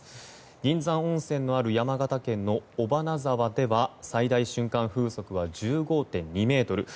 銀山温泉のある山形県の尾花沢では最大瞬間風速１５．２メートル。